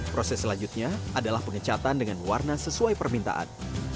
proses selanjutnya adalah pengecatan dengan warna sesuai permintaan